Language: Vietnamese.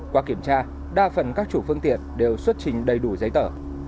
qua kiểm tra đa phần các chủ phương tiện đều xuất trình đầy đủ giấy tờ